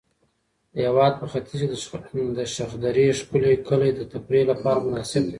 د هېواد په ختیځ کې د شخدرې ښکلي کلي د تفریح لپاره مناسب دي.